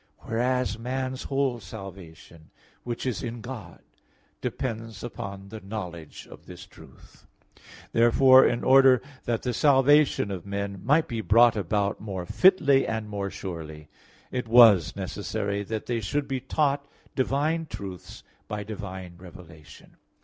Whereas man's whole salvation, which is in God, depends upon the knowledge of this truth. Therefore, in order that the salvation of men might be brought about more fitly and more surely, it was necessary that they should be taught divine truths by divine revelation.